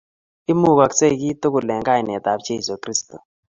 Imukoskei kiy tukul eng kainetab Jeso Kristo